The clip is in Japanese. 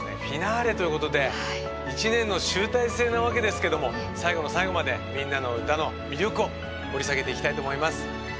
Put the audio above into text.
フィナーレということで一年の集大成なわけですけども最後の最後まで「みんなのうた」の魅力を掘り下げていきたいと思います。